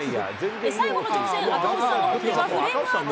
最後の直線、赤星さんの本命はフレームアウト。